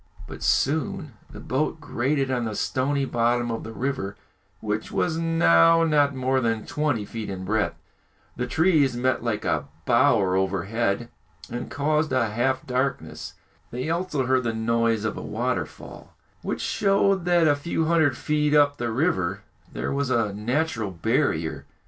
But soon the boat grated on the stony bottom of the river, which was now not more than twenty feet in breadth. The trees met like a bower overhead, and caused a half darkness. They also heard the noise of a waterfall, which showed that a few hundred feet up the river there was a natural barrier.